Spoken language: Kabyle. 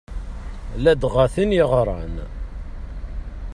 Ladɣa tin yeɣran.